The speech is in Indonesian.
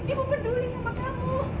ibu peduli sama kamu